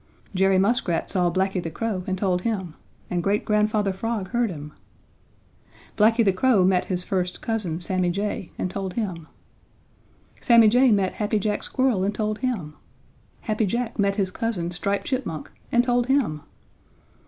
Jerry Muskrat saw Blacky the Crow and told him, and Great Grandfather Frog heard him. Blacky the Crow met his first cousin, Sammy Jay, and told him. Sammy Jay met Happy Jack Squirrel and told him. Happy Jack met his cousin, Striped Chipmunk, and told him.